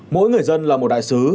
mỗi người dân là một đại sứ